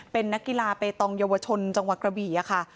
เป็นนักกีฬาเปตองเยาวชนจังหวัดกระบี่ค่ะ